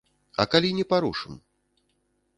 А калі не парушым?